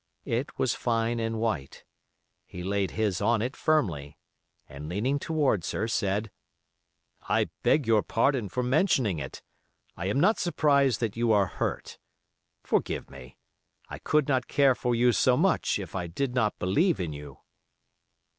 It was fine and white. He laid his on it firmly, and leaning towards her, said, "I beg your pardon for mentioning it. I am not surprised that you are hurt. Forgive me. I could not care for you so much if I did not believe in you."